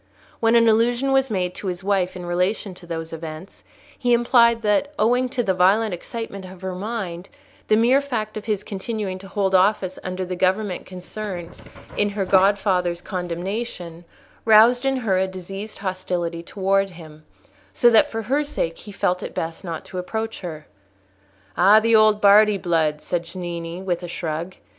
When an allusion was made to his wife in relation to those events, he implied that, owing to the violent excitement of her mind, the mere fact of his continuing to hold office under a government concerned in her godfather's condemnation, roused in her a diseased hostility towards him; so that for her sake he felt it best not to approach her. "Ah, the old Bardi blood!" said Cennini, with a shrug.